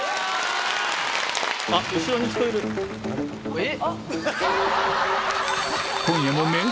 えっ？